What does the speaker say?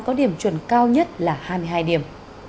có điểm chuẩn cao nhất là hai mươi hai điểm